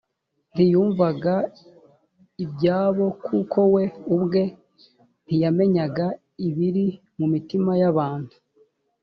ntiyumvaga ibyabo kuko we ubwe ntiyamenyaga ibiri mu mitima y’abantu